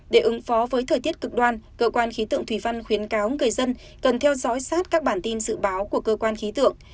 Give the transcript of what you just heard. để ứng phó với thời tiết cực đoan cơ quan khí tượng thủy văn khuyến cáo người dân cần theo dõi sát các bản tin dự báo của cơ quan khí tượng